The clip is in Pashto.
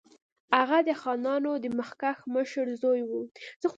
هغه د خانانو د مخکښ مشر زوی وو.